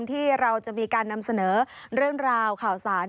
ที่เราจะมีการนำเสนอเรื่องราวข่าวสาร